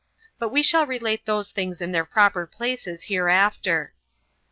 But we shall relate those things in their proper places hereafter.